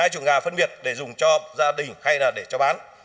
hai chủ gà phân biệt để dùng cho gia đình hay là để cho bán